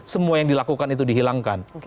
semua yang dilakukan itu dihilangkan